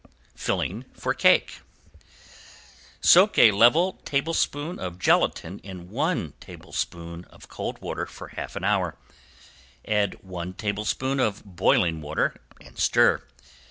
~FILLING FOR CAKE~ Soak a level tablespoon of gelatin in one tablespoon of cold water for half an hour, add one tablespoon of boiling water and stir.